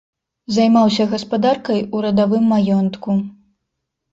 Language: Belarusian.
Займаўся гаспадаркай у радавым маёнтку.